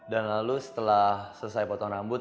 dan lalu setelah selesai potong rambut